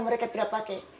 mereka tidak pakai